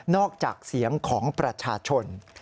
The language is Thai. ที่จะจากเสียงของประชาชน